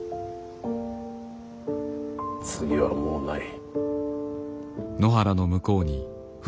次はもうない。